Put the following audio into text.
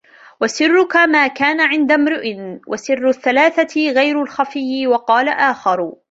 وَسِرُّك مَا كَانَ عِنْدَ امْرِئٍ وَسِرُّ الثَّلَاثَةِ غَيْرُ الْخَفِي وَقَالَ آخَرُ